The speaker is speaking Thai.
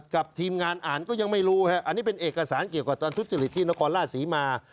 ทีมงานอ่านก็ยังไม่รู้อันนี้เป็นเอกสารเกี่ยวกับการทุจริตที่นครราชศรีมา